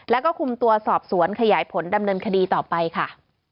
แล้วก็คุมตัวสอบสวนขยายผลดำเนินคดีต่อไปค่ะ